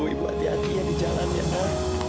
ibu hati hati ya di jalan ya